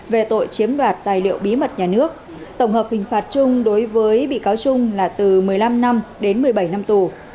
về tội chiếm đoạt tài liệu bí mật nhà nước tổng hợp hình phạt chung đối với bị cáo trung là từ một mươi năm năm đến một mươi bảy năm tù